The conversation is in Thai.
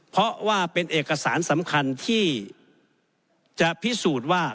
เพราะว่าเป็นเอกสารสำคัญที่จะพิสูจน์ว่า